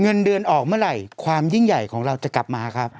เงินเดือนออกเมื่อไหร่ความยิ่งใหญ่ของเราจะกลับมาครับ